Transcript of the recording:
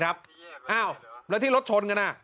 อ้าวแล้วที่รถชนกัน